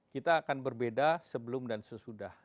kita akan berbeda sebelum dan sesudah